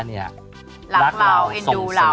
รักเราส่งเสียงเรา